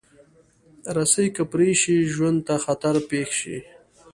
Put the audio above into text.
رسۍ که پرې شي، ژوند ته خطر پېښ شي.